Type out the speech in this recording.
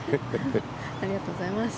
ありがとうございます。